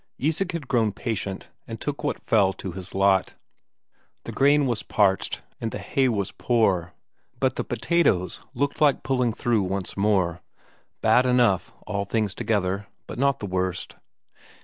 Isak had grown patient, and took what fell to his lot. The corn was parched, and the hay was poor, but the potatoes looked like pulling through once more bad enough, all things together, but not the worst.